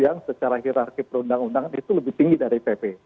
yang secara hirarki perundang undangan itu lebih tinggi dari pp